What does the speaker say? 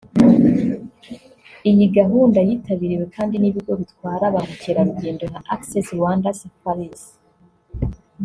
Iyi gahunda yitabiriwe kandi n’ibigo bitwara ba mukerarugendo nka Acces Rwanda Safaris